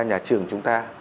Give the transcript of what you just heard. nhà trường chúng ta